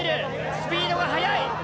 スピードが速い。